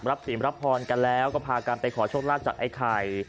รับสิ่งรับพรกันแล้วก็พาการไปขอชกลาดจากไอ้ไข่